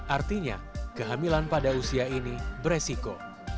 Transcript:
artinya kehamilan pada usia ini beresiko